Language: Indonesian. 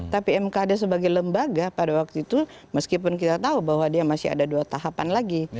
tapi mkd sebagai lembaga pada waktu itu meskipun kita tahu bahwa dia masih ada dua tahapan lagi